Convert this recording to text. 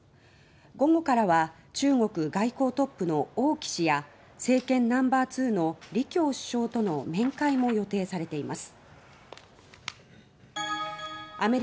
午後からは中国外交トップの王毅氏や政権ナンバー２の李強首相との面会も予定されています。